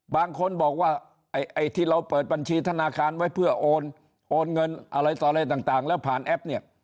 บางคนบอกว่าไอ้ที่เราเปิดบัญชีธนาคารไว้เพื่อโอนเงินอะไรต่ออะไรต่างแล้วผ่านแอปเนี่ย